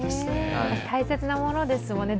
大切なものですもんね。